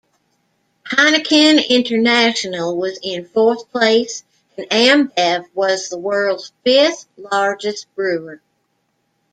Heineken International was in fourth place and AmBev was the world's fifth largest brewer.